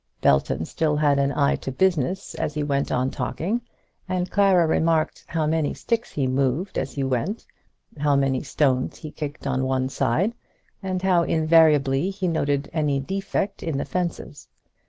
Belton still had an eye to business as he went on talking, and Clara remarked how many sticks he moved as he went, how many stones he kicked on one side, and how invariably he noted any defect in the fences.